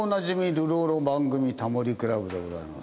流浪の番組『タモリ倶楽部』でございます。